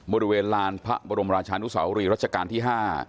บริเวณลานพระบรมราชานุสาวรีรัชกาลที่๕